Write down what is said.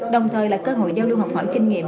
đồng thời là cơ hội giao lưu học hỏi kinh nghiệm